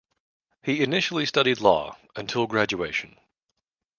He initially studied law (until graduation).